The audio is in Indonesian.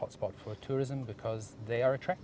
untuk turisme karena mereka menarik